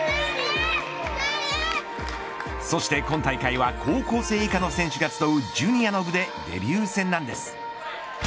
そして今大会は高校生以下の選手が集うジュニアの部でデビュー戦なんです。